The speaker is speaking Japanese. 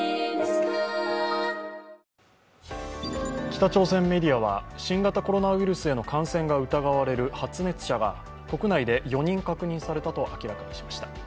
北朝鮮メディアは新型コロナウイルスへの感染が疑われる発熱者が国内で４人確認されたと明らかにしました。